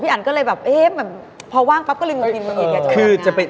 พี่อันก็เลยแบบพอว่างปับก็เริ่มมดบินเห็นกัน